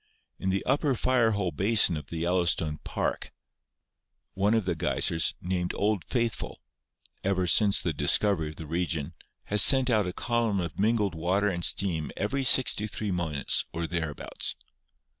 In the Upper Fire Hole basin of the Yellowstone Park 'Olp Faithful' Geyser, Yellowstone Park. VULCANISM 117 one of the geysers, named 'Old Faithful,' ever since the discovery of the region has sent out a column of mingled water and steam every sixty three minutes or thereabouts.